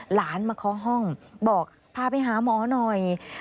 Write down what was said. หลานมาเคาะห้องบอกพาไปหาหมอหน่อย